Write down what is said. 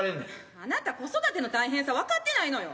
あなた子育ての大変さ分かってないのよ。